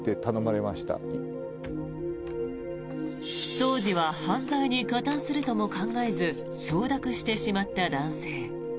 当時は犯罪に加担するとも考えず承諾してしまった男性。